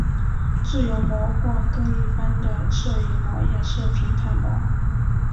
自由模或更一般的射影模也是平坦模。